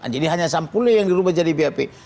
jadi hanya sampulnya yang dirubah menjadi bap